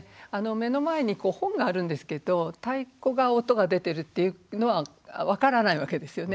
目の前に本があるんですけど太鼓が音が出てるっていうのは分からないわけですよね。